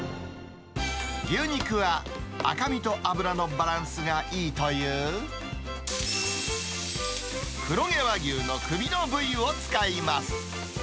牛肉は赤身と脂のバランスがいいという黒毛和牛の首の部位を使います。